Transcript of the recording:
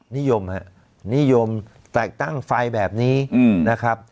นิยมฮะนิยมแต่งตั้งไฟแบบนี้นะครับ